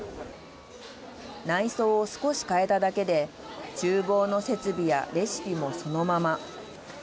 内装を少し変えただけでちゅう房の設備やレシピもそのまま。